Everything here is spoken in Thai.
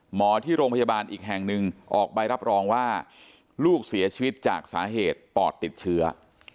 หมอที่โรงพยาบาลอีกแห่งหนึ่งออกใบรับรองว่าลูกเสียชีวิตจากสาเหตุปอดติดเชื้อ